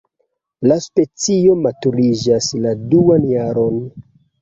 La specio maturiĝas la duan jaron.